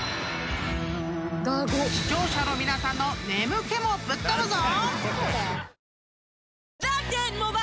［視聴者の皆さんの眠気もぶっ飛ぶぞ！］